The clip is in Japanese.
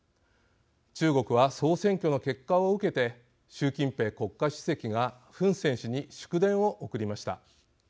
中国は、総選挙の結果を受けて習近平国家主席がフン・セン氏に祝電を送りました。